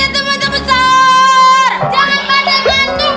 jangan pada tidur